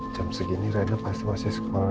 jam segini raina pasti masih sekolah